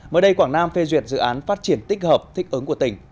mới đây quảng nam phê duyệt dự án phát triển tích hợp thích ứng của tỉnh